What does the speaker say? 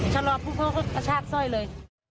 ชะลอพวกเขากระชากสร้อยเลย